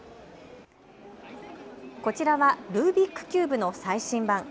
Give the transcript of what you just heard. こちらはルービックキューブの最新版。